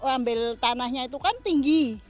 ambil tanahnya itu kan tinggi